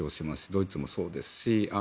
ドイツもそうですし。